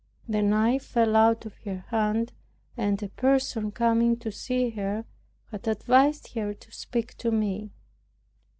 The knife fell out of her hand and a person coming to see her had advised her to speak to me.